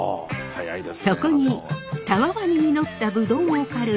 そこにたわわに実ったぶどうを狩る